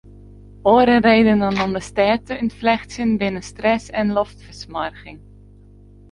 Oare redenen om de stêd te ûntflechtsjen binne stress en loftfersmoarging.